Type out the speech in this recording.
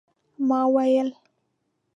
ما ویل